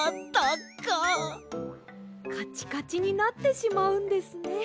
カチカチになってしまうんですね。